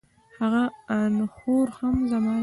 هغه انخورهم زما دی